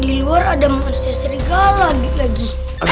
di luar ada manusia serigala lagi